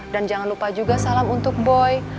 dan jangan lupa juga salam untuk boy